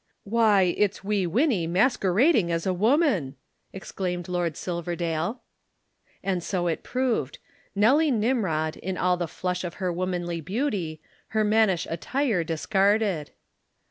"Why it's Wee Winnie masquerading as a woman!" exclaimed Lord Silverdale. And so it proved Nelly Nimrod in all the flush of her womanly beauty, her mannish attire discarded.